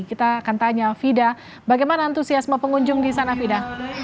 kita akan tanya vida bagaimana antusiasme pengunjung di sana fida